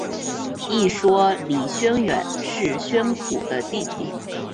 一说李宣远是宣古的弟弟。